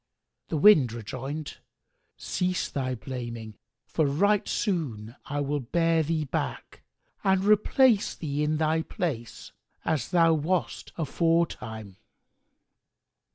The Wind rejoined, "Cease thy blaming, for right soon I will bear thee back and replace thee in thy place, as thou wast aforetime."